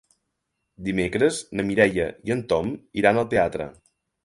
Dimecres na Mireia i en Tom iran al teatre.